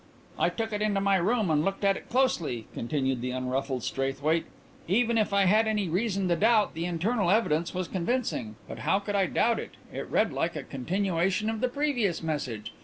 "I took it into my room and looked at it closely," continued the unruffled Straithwaite. "Even if I had any reason to doubt, the internal evidence was convincing, but how could I doubt? It read like a continuation of the previous message.